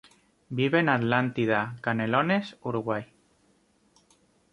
Vive en Atlántida, Canelones, Uruguay.